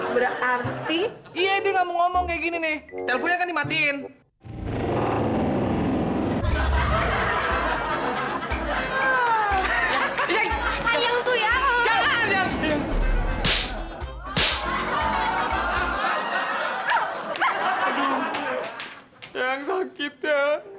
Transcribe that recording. tiap hari gue ditanggin uang sewa tiap hari gue ditanggin uang sewa